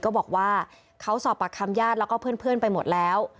ก็บอกว่าเขาสอบปากคำญาติแล้วก็เพื่อนไปหมดแล้ว